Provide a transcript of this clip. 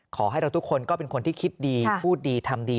ขอให้เราทุกคนก็เป็นคนที่คิดดีพูดดีทำดี